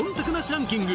ランキング